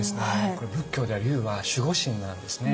これ仏教では龍は守護神なんですね。